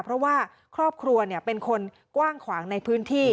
เพราะว่าครอบครัวเป็นคนกว้างขวางในพื้นที่